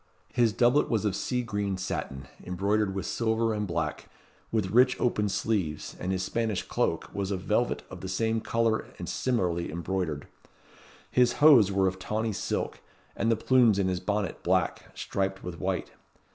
His doublet was of sea green satin, embroidered with silver and black, with rich open sleeves, and his Spanish cloak was of velvet of the same colour and similarly embroidered. His hose were of tawny silk, and the plumes in his bonnet black, striped with white.